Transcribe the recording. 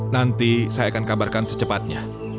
nanti saya akan kabarkan secepatnya